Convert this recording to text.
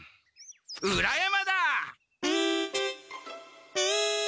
裏山だ！